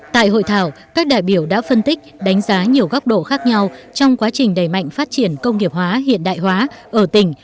tại hội thảo các đại biểu đã phân tích đánh giá nhiều góc độ khác nhau trong quá trình đẩy mạnh phát triển công nghiệp hóa hiện đại hóa ở tỉnh